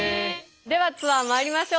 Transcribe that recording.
ではツアーまいりましょう。